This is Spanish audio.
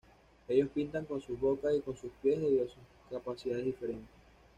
Ellos pintan con sus bocas y con sus pies debido a sus capacidades diferentes.